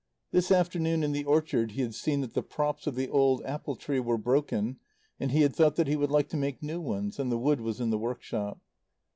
This afternoon in the orchard he had seen that the props of the old apple tree were broken and he had thought that he would like to make new ones, and the wood was in the workshop.